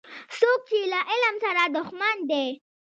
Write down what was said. څوک چي له علم سره دښمن دی